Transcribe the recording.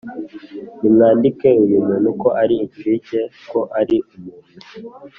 Nimwandike uyu muntu ko ari incike ko ari umuntu